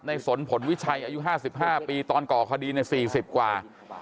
สนผลวิชัยอายุ๕๕ปีตอนก่อคดีใน๔๐กว่า